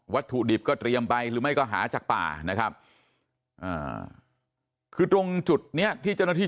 ถุดิบก็เตรียมไปหรือไม่ก็หาจากป่านะครับคือตรงจุดเนี้ยที่เจ้าหน้าที่